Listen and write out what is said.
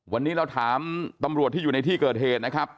วันนี้เราถามตำรวจที่อยู่ในที่เกิดเหตุนะครับ